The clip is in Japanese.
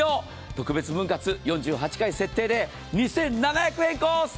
特別分割４８回設定で２７００円コース。